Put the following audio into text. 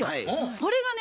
それがね